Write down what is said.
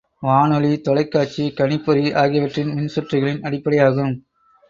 வானொலி, தொலைக்காட்சி, கணிப்பொறி ஆகியவற்றின் மின்சுற்றுகளின் அடிப்படையாகும்.